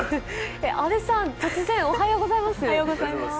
阿部さん、突然、おはようございます。